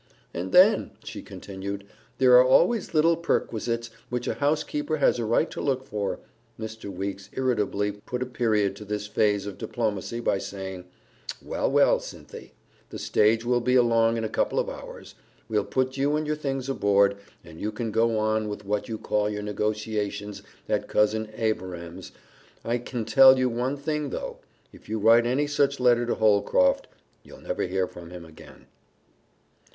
"And then," she continued, "there are always little perquisites which a housekeeper has a right to look for " Mr. Weeks irritably put a period to this phase of diplomacy by saying, "Well, well, Cynthy, the stage will be along in a couple of hours. We'll put you and your things aboard, and you can go on with what you call your negotiations at Cousin Abiram's. I can tell you one thing though if you write any such letter to Holcroft, you'll never hear from him again."